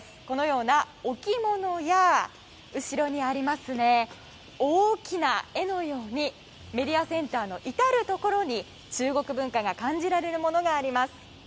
このような、置き物や後ろにあります大きな絵のようにメディアセンターの至るところに中国文化が感じられるものがあります。